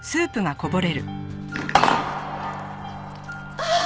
あっ！